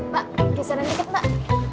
pak geseran dikit pak